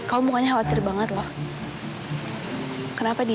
apa akan terjadi